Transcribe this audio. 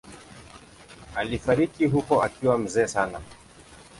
Alifariki huko akiwa mzee sana.